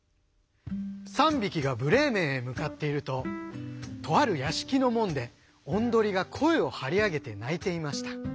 ３びきがブレーメンへむかっているととあるやしきのもんでオンドリがこえをはりあげてないていました。